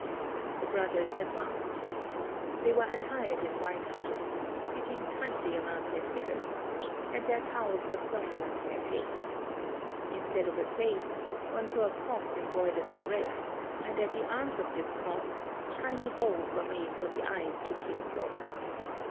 The brothers advanced. They were attired in white habits, fitting tightly around their figures, and their cowls were sewn around their heads. Instead of a face, one saw a cross embroidered in red, and at the arms of this cross tiny holes were made for the eyes to peer forth.